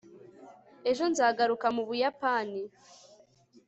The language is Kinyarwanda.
ejo nzagaruka mu buyapani